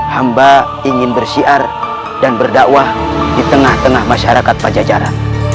hamba ingin bersiar dan berdakwah di tengah tengah masyarakat pajajaran